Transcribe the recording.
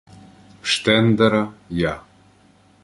Штендера Я.